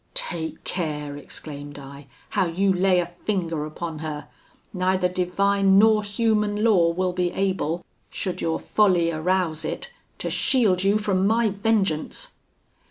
"'Take care,' exclaimed I, 'how you lay a finger upon her! neither divine nor human law will be able, should your folly arouse it, to shield you from my vengeance!'